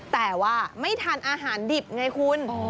แต่ว่าไม่ทานอาหารดิบไงคุณ